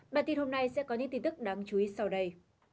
bản tin hôm nay sẽ có những tin tức đáng chú ý sau đây